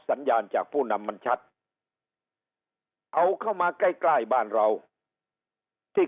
สัญญาณจากผู้นำมันชัดเอาเข้ามาใกล้ใกล้บ้านเราที่